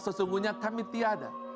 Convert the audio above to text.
sesungguhnya kami tiada